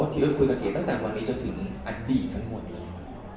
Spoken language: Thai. พี่พี่เซียตัดคุยกับเก๊ตั้งแต่วันนี้ถึงอดีตทั้งหมดเลย